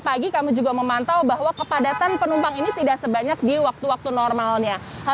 pagi kami juga memantau bahwa kepadatan penumpang ini tidak sebanyak di waktu waktu normalnya